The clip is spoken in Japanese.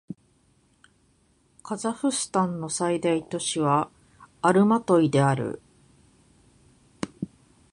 カザフスタンの最大都市はアルマトイである